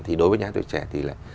thì đối với nhà hát tuổi trẻ thì là